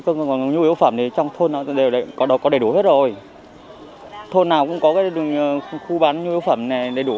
còn nhu yếu phẩm thì trong thôn nó đều có đầy đủ hết rồi thôn nào cũng có khu bán nhu yếu phẩm này đầy đủ